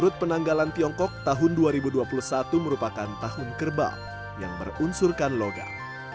tahun dua ribu dua puluh satu merupakan tahun kerbau yang berunsurkan logam